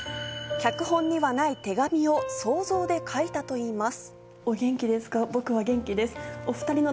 脚本にはない手紙を想像で書いたといいます。